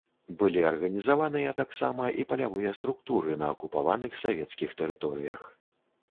Былі арганізаваныя таксама і палявыя структуры на акупаваных савецкіх тэрыторыях.